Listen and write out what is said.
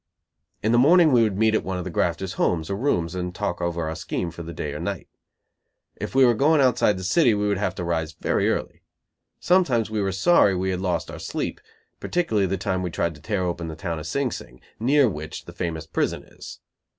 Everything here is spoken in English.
In the morning we would meet at one of the grafters homes or rooms and talk over our scheme for the day or night. If we were going outside the city we would have to rise very early. Sometimes we were sorry we had lost our sleep; particularly the time we tried to tear open the town of Sing Sing, near which the famous prison is.